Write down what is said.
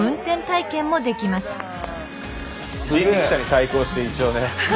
スタジオ人力車に対抗して一応ね。